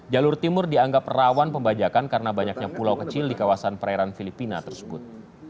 jalur timur dianggap rawan pembajakan karena banyaknya pulau kecil di kawasan perairan filipina tersebut